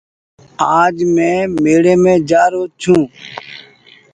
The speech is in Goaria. آج مين ميڙيم جآ رو ڇو۔